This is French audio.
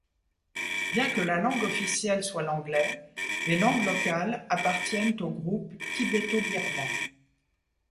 Bien que la langue officielle soit l'anglais, les langues locales appartiennent au groupe tibéto-birman.